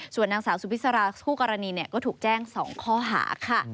ส่วนนางสาวสุพิษราคู่กรณีก็ถูกแจ้ง๒ข้อหาค่ะ